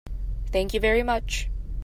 Thank you very much.